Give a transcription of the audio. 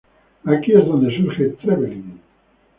Aquí es donde surge Trevelin.